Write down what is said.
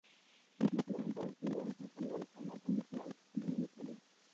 Quiso implementar un estilo empresarial en la conducción del ministerio.